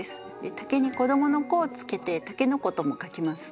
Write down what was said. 「竹」に子どもの「子」をつけて「竹の子」とも書きます。